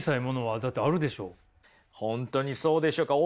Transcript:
本当にそうでしょうか？